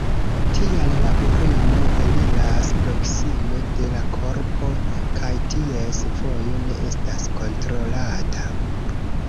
Tial la urino eliras proksime de la korpo kaj ties vojo ne estas kontrolata.